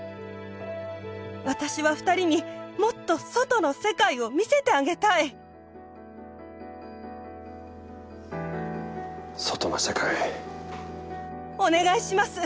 私は２人にもっと外の世界を見せてあげたい外の世界お願いします